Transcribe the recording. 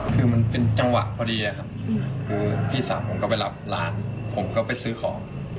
คือมันเป็นจังหวะพอดีครับคือพี่สาวผมก็ไปรับร้านผมก็ไปซื้อของ